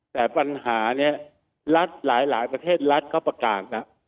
แต่ปัญหานี้รัฐหลายประเทศรัฐเขาประกาศแล้ว